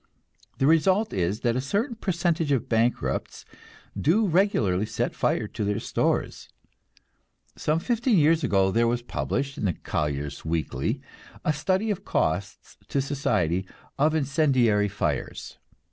The result is that a certain percentage of bankrupts do regularly set fire to their stores. Some fifteen years ago there was published in "Collier's Weekly" a study of the costs to society of incendiary fires.